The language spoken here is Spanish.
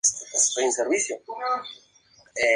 Destacó por sus trabajos de psicología experimental.